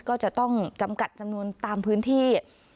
ก็จะต้องจำกัดจำนวนตามพื้นที่